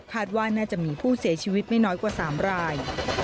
ว่าน่าจะมีผู้เสียชีวิตไม่น้อยกว่า๓ราย